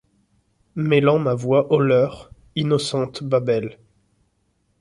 Mêlant ma voix aux leurs, innocente Babel